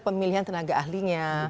pemilihan tenaga ahlinya